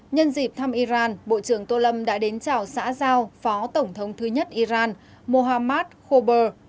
nhân dịp thăm iran bộ trưởng tô lâm đã đến chào xã giao phó tổng thống thứ nhất iran mohammad kober